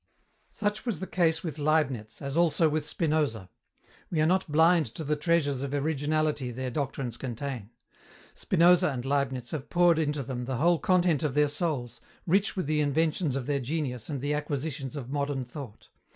Such was the case with Leibniz, as also with Spinoza. We are not blind to the treasures of originality their doctrines contain. Spinoza and Leibniz have poured into them the whole content of their souls, rich with the inventions of their genius and the acquisitions of modern thought.